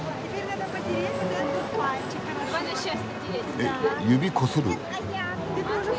え指こする？